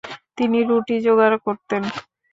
তিনি রুটি যোগাড় করতেন।